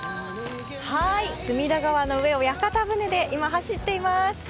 隅田川の上を屋形船で今、走っています。